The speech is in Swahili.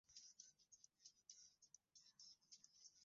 kutokana na kuiuzia Kenya bidhaa zake katika mwezi huo huo